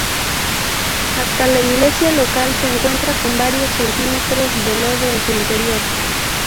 Hasta la iglesia local se encuentra con varios centímetros de lodo en su interior.